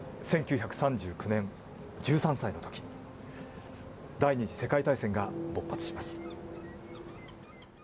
１９３９年、１３歳の時第２次世界大戦が勃発します。